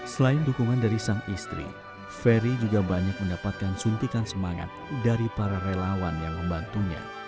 selain dukungan dari sang istri ferry juga banyak mendapatkan suntikan semangat dari para relawan yang membantunya